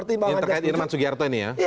yang terkait dengan mas sugiharto ini ya